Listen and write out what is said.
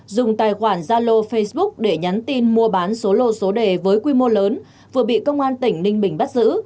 dùng tài khoản zalo facebook để nhắn tin mua bán số lô số đề với quy mô lớn vừa bị công an tỉnh ninh bình bắt giữ